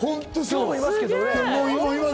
今日もいますけど。